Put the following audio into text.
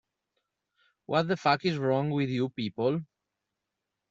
What the Fuck Is Wrong with You People?